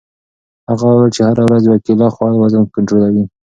هغه وویل چې هره ورځ یوه کیله خوړل وزن کنټرولوي.